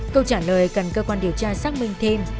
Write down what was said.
câu trả lời cần cơ quan điều tra xác minh thêm